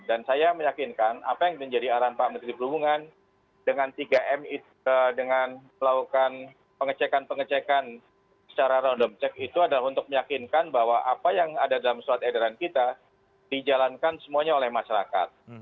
dan saya meyakinkan apa yang menjadi arahan pak menteri perhubungan dengan tiga m itu dengan melakukan pengecekan pengecekan secara random check itu adalah untuk meyakinkan bahwa apa yang ada dalam surat edaran kita dijalankan semuanya oleh masyarakat